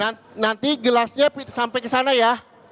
nah nanti gelasnya sampai kesana ya